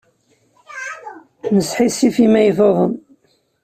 Nesḥissif imi ay tuḍen.